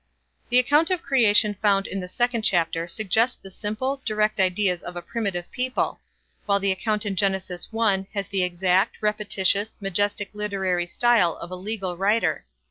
The account of creation found in the second chapter suggests the simple, direct ideas of a primitive people; while the account in Genesis 1 has the exact, repetitious, majestic literary style of a legal writer.